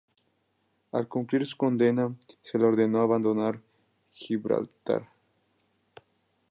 Al cumplir su condena, se le ordenó abandonar Gibraltar.